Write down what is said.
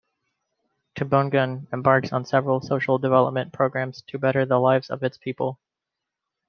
Tubungan embarks on several social development programs to better the lives of its people.